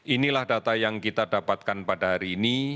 inilah data yang kita dapatkan pada hari ini